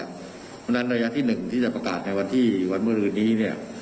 เพราะฉะนั้นระยะที่๑ที่จะประกาศในวันที่วันเมื่อคืนนี้เนี่ย